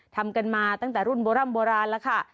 ทำกันมาตั้งแต่รุ่นโบร่ำโบราณแล้วค่ะ